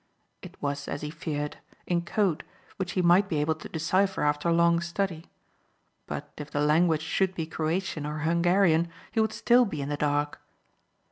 It was as he feared, in code which he might be able to decipher after long study. But if the language should be Croatian or Hungarian he would still be in the dark.